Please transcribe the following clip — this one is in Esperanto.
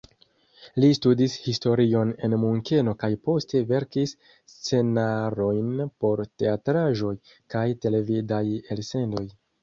Li studis historion en Munkeno kaj poste verkis scenarojn por teatraĵoj kaj televidaj elsendoj.